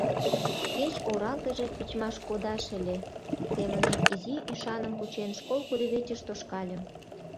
«Кеч оралтыже тичмаш кодаш ыле», — семынем изи ӱшаным кучен, школ кудывечыш тошкальым.